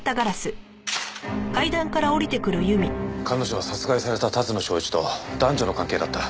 彼女は殺害された龍野祥一と男女の関係だった。